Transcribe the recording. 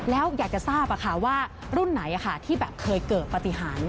แล้วอยากจะทราบว่ารุ่นไหนที่เคยเกิดปฏิหาร